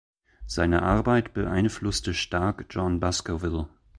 Seine Arbeit beeinflusste stark John Baskerville.